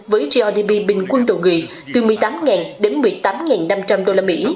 với grdp bình quân đồ nghị từ một mươi tám đến một mươi tám năm trăm linh usd